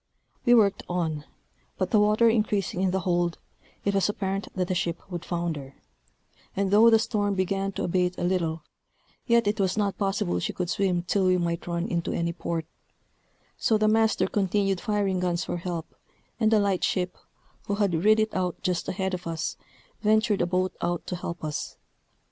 We worked on; but the water increasing in the hold, it was apparent that the ship would founder; and though the storm began to abate a little, yet it was not possible she could swim till we might run into any port; so the master continued firing guns for help: and a light ship, who had rid it out just ahead of us, ventured a boat out to help us.